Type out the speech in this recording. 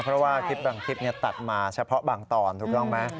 เพราะว่าคลิปบางคลิปตัดมาเฉพาะบางตอนถูกต้องไหม